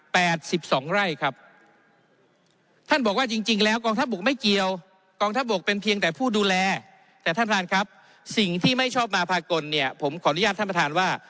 แปดสิบสองไร่ครับท่านบอกว่าจริงจริงแล้วกองทัพบกไม่เกี่ยว